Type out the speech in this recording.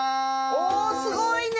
おすごいね。